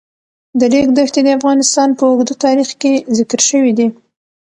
د ریګ دښتې د افغانستان په اوږده تاریخ کې ذکر شوی دی.